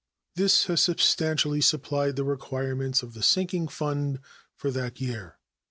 This has substantially supplied the requirements of the sinking fund for that year.